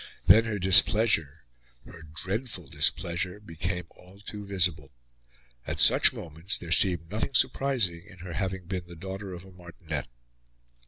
Then her displeasure her dreadful displeasure became all too visible. At such moments there seemed nothing surprising in her having been the daughter of a martinet.